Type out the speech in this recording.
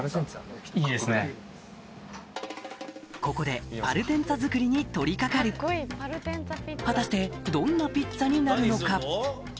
ここでパルテンツァ作りに取り掛かる果たしてどんなピッツァになるのか？